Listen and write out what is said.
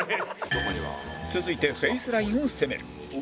続いてフェイスラインを攻める